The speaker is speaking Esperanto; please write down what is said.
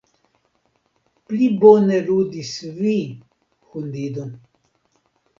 Pli bone ludis vi, hundido.